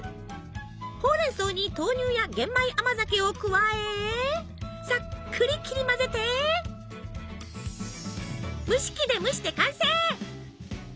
ほうれん草に豆乳や玄米甘酒を加えさっくり切り混ぜて蒸し器で蒸して完成！